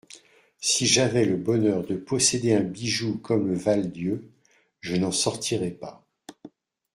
Si j'avais le bonheur de posséder un bijou comme le Val-Dieu, je n'en sortirais pas.